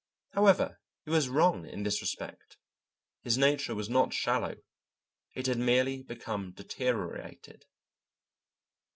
However, he was wrong in this respect; his nature was not shallow. It had merely become deteriorated.